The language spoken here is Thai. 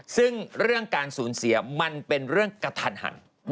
ซึ่งเรื่องการสูญเสียมันเป็นเรื่องกระทันหัน